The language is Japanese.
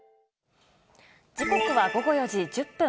時刻は午後４時１０分。